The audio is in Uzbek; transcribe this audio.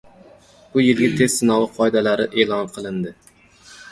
Bu yilgi test sinovi qoidalari e’lon qilindi